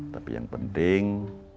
tapi yang penting